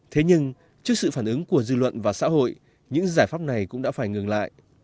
thế nhưng trước sự phản ứng của dư luận và xã hội những giải pháp này cũng đã phải ngừng lại